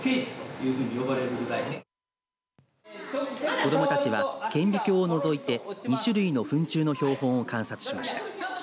子どもたちは顕微鏡をのぞいて２種類のふん虫の標本を観測しました。